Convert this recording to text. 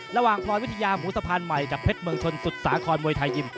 พลอยวิทยาหมูสะพานใหม่กับเพชรเมืองชนสุดสาครมวยไทยยิม